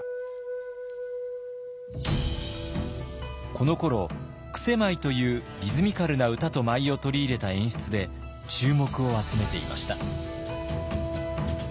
このころ曲舞というリズミカルな歌と舞を取り入れた演出で注目を集めていました。